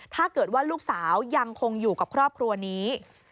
ถ้าเกิดว่าลูกสาวยังคงอยู่กับครอบครัวนี้